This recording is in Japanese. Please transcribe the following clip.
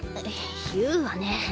言うわね。